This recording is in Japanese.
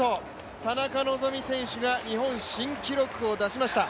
田中希実選手が日本新記録を出しました。